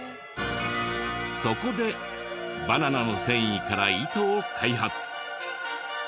そこでバナナの繊維から糸を開発。